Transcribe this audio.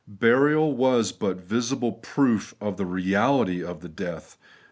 Burial was but the visible proof of the reality of the death.